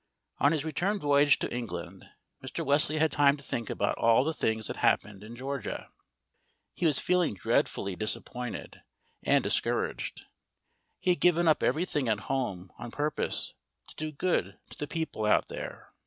On his return voyage to England Mr. Wesley had time to think about all the things that happened in Georgia. He was feeling dreadfully disappointed and discouraged; he had given up everything at home on purpose to do good to the people out there.